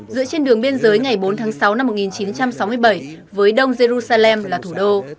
dựa trên đường biên giới ngày bốn tháng sáu năm một nghìn chín trăm sáu mươi bảy với đông jerusalem là thủ đô